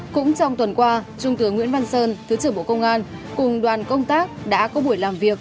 cũng trong tuần qua trung tướng nguyễn văn sơn thứ trưởng bộ công an cùng đoàn công tác đã có buổi làm việc